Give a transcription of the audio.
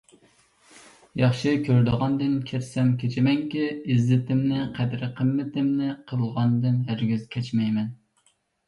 ياخشى كۆرىدىغاندىن كەچسەم كېچىمەنكى، ئىززىتىمنى، قەدىر-قىممىتىمنى قىلغاندىن ھەرگىز كەچمەيمەن.